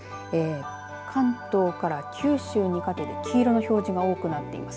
関東から九州にかけて黄色の表示が多くなっています。